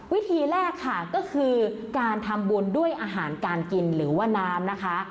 วิธีแรกค่ะก็คือการทำบุญด้วยอาหารการกินหรือว่าน้ำนะคะ